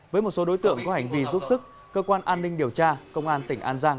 với một số đối tượng có hành vi giúp sức cơ quan an ninh điều tra công an tỉnh an giang